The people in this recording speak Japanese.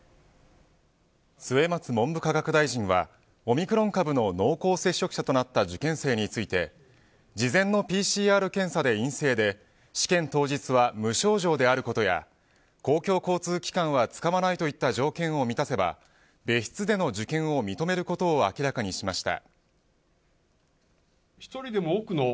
末松文部科学大臣はオミクロン株の濃厚接触者となった受験生について事前のＰＣＲ検査で陰性で試験当日は無症状であることや公共交通機関は使わないといった条件を満たせば別室での受験を認めることを明らかにしました。